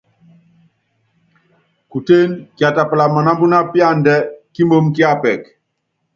Kutéen, kiatapala manámbúná píandɛ́ kímoomi kíapɛk.